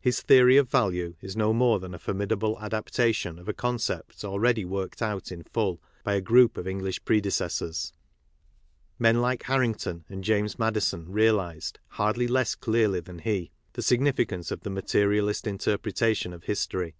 His theory of value is no more than a formid able adaptation of a concept already worked out in full by a group of English" pfedecessors. TSIennike HaHing' ton and James Madison realized, hardly l ess clearly than he, the significance of the materialist interpretation of history.